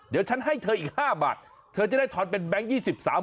เดี๋ยวฉันให้เธออีก๕บาทเธอจะได้ทอนเป็นแบงค์๒๓บาท